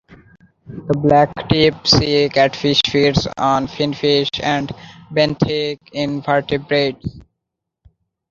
The blacktip sea catfish feeds on finfish and benthic invertebrates.